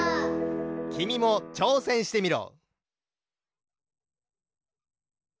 きみもちょうせんしてみろ！